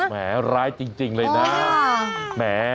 แหมร้ายจริงเลยนะ